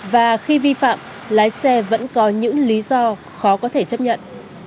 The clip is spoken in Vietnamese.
và khi vi phạm lái xe vẫn có những lý do khó có thể chấp nhận